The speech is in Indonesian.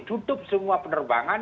tutup semua penerbangan